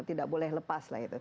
tidak boleh lepas lah itu